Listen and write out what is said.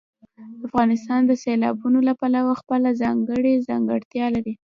افغانستان د سیلابونو له پلوه خپله ځانګړې ځانګړتیا لري.